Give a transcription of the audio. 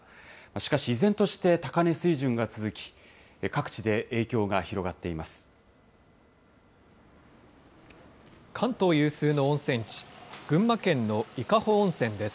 しかし依然として高値水準が続き、各地で影響が広がっています。